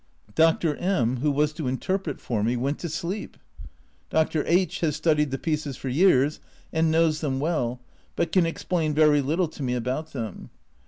Dr. Mk , who was to interpret for me, went to sleep ! Dr. H has studied the pieces for years and knows them well, but can explain very little to me about them.